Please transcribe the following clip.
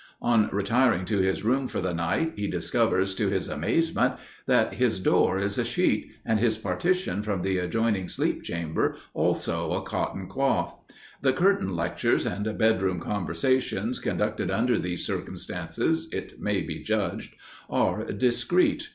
On retiring to his room for the night, he discovers to his amazement, that his door is a sheet, and his partition from the adjoining sleeping chamber also a cotton cloth. The curtain lectures and bed room conversations conducted under these circumstances, it may be judged, are discreet.